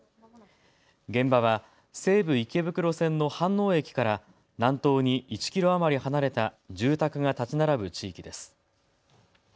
現場は西武池袋線の飯能駅から南東に１キロ余り離れた住宅が建ち並ぶ地域です。